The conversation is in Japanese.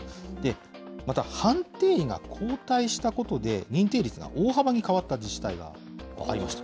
また、判定医が交代したことで、認定率が大幅に変わった自治体がありました。